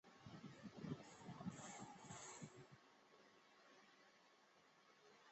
目前也是上海教区市区总铎区的总铎座堂。